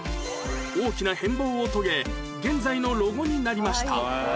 大きな変貌を遂げ現在のロゴになりました